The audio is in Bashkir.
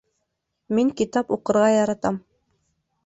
Мин китап уҡырға яратам